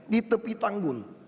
di tepi tanggul